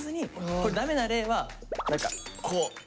これダメな例はこうこう。